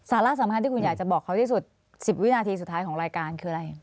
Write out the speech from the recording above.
ะสำคัญที่คุณอยากจะบอกเขาที่สุด๑๐วินาทีสุดท้ายของรายการคืออะไร